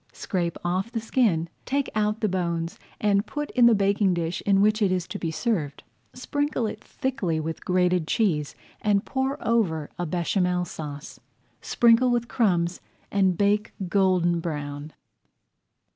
Scrape off the skin, take out the bones, and put in the baking dish in which it is to be served. Sprinkle it thickly with grated cheese and pour over a Béchamel Sauce. Sprinkle with crumbs and bake golden brown.